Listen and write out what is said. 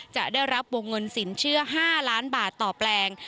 จะได้รับวงเงินสินเชื่อ๕ล้านบาทต่อแปลง